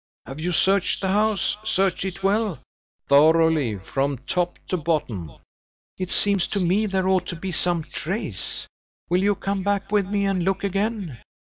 "Have you searched the house searched it well?" "Thoroughly from top to bottom!" "It seems to me there ought to be some trace. Will you come back with me and look again?"